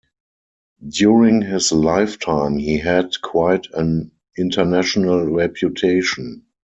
During his lifetime he had quite an international reputation.